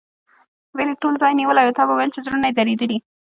وېرې ټول ځای نیولی و، تا به ویل چې زړونه یې درېدلي.